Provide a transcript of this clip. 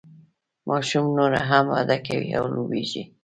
ماشوم نوره هم وده کوي او لوییږي.